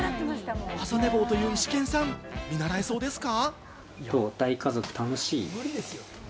朝寝坊というイシケンさん、見習えそうですか？